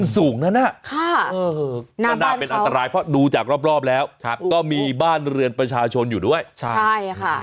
สูงนั้นน่าเป็นอันตรายเพราะดูจากรอบแล้วก็มีบ้านเรือนประชาชนอยู่ด้วยใช่ค่ะ